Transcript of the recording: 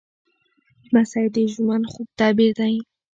لمسی د ژوند خوږ تعبیر دی.